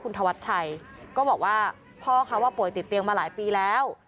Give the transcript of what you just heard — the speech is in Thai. ธวัชชัยก็บอกว่าพ่อเขาป่วยติดเตียงมาหลายปีแล้ว